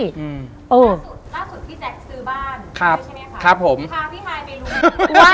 ล่าสุดล่าสุดพี่แจกซื้อบ้านใช่ไหมครับครับผมพาพี่มายไปดู